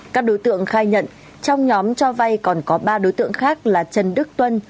các đối tượng khai nhận trong nhóm cho vay còn có ba đối tượng khác là trần đức tuân